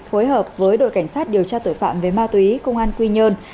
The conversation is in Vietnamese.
phối hợp với đội cảnh sát điều tra tội phạm về ma túy công an quy nhơn